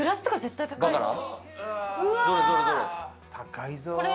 高いぞ。